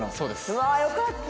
うわあよかった！